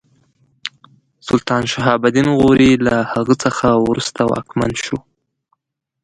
سلطان شهاب الدین غوري له هغه څخه وروسته واکمن شو.